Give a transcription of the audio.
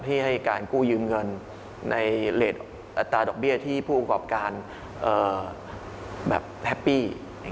ให้การกู้ยืมเงินในเลสอัตราดอกเบี้ยที่ผู้ประกอบการแบบแฮปปี้